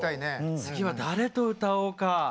次は誰と歌おうか。